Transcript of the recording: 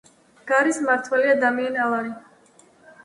გარის მმართველია დამიენ ალარი.